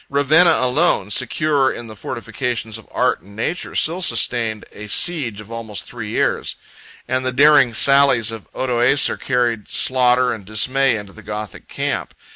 21 Ravenna alone, secure in the fortifications of art and nature, still sustained a siege of almost three years; and the daring sallies of Odoacer carried slaughter and dismay into the Gothic camp.